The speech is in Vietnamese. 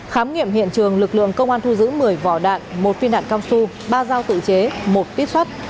khám nghiệm hiện trường lực lượng công an thu giữ một mươi vỏ đạn một phiên đạn cao su ba dao tự chế một tít xuất